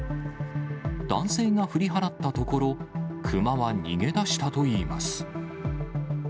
男性が振り払ったところ、クマは逃げ出したといいます。